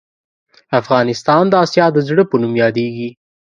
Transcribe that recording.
افغانستان د اسیا د زړه په نوم یادیږې